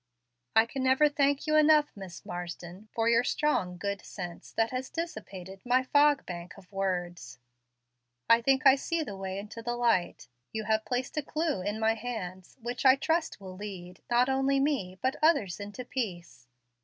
I can never thank you enough, Miss Marsden, for your strong good sense that has dissipated my fog bank of words. I think I see the way into light. You have placed a clew in my hands which I trust will lead, not only me, but others into peace.